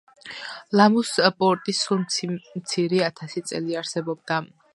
ლამუს პორტი სულ მცირე ათასი წელი არსებობდა.